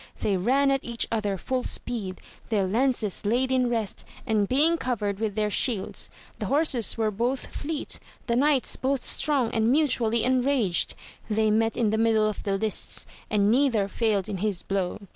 They ran at each other full speed, their lances laid in rest, and being covered with their shields ; the horses were both fleet, the knights both strong and mutually enraged. They met in the middle of the lists, and neither failed in his blow.